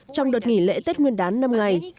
trong đợt nghỉ lễ tết nguyên đán năm ngày